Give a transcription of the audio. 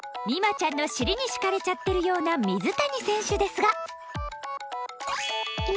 美誠ちゃんの尻に敷かれちゃってるような水谷選手ですが。